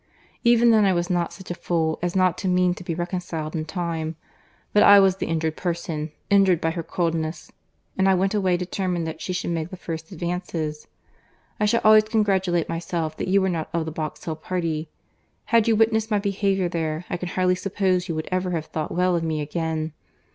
Even then, I was not such a fool as not to mean to be reconciled in time; but I was the injured person, injured by her coldness, and I went away determined that she should make the first advances.—I shall always congratulate myself that you were not of the Box Hill party. Had you witnessed my behaviour there, I can hardly suppose you would ever have thought well of me again.